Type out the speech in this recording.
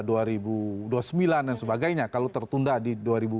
kalau dua ribu sembilan belas dan sebagainya kalau tertunda di dua ribu sembilan belas